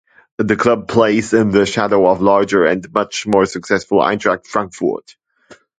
The club plays in the shadow of larger and much more successful Eintracht Frankfurt.